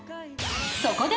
［そこで］